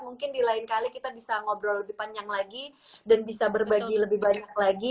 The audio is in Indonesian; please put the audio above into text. mungkin di lain kali kita bisa ngobrol lebih panjang lagi dan bisa berbagi lebih banyak lagi